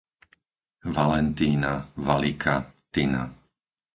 Valentína, Valika, Tina